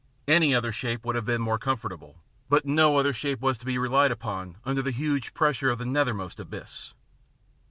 Any other shape would have been more comfortable, but no other shape was to be relied upon under the huge pressure of the nethermost abyss.